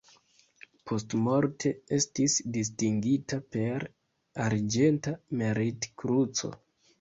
Postmorte estis distingita per Arĝenta Merit-Kruco.